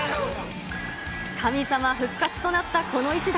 神様復活となったこの一打。